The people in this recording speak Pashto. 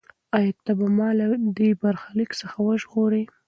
ایا ته به ما له دې برخلیک څخه وژغورې؟